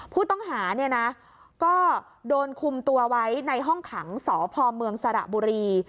ผู้ต้องหาเนี่ยนะก็โดนคุมตัวไว้ในห้องขังสพเมืองสระบุรี